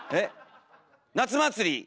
「夏祭り」。